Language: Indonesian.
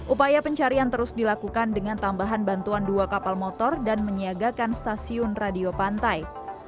upaya pencarian terus dilakukan dengan tambahan bantuan dua kapal motor dan menyiagakan stasiun radio pantai